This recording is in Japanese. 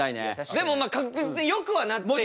でもまあ確実によくはなっているっていう。